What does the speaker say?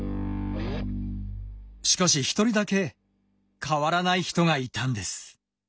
しかし１人だけ変わらない人がいたんです。